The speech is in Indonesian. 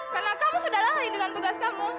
karena kamu sudah lari dengan tugasmu